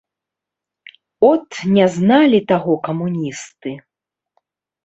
От, не зналі таго камуністы!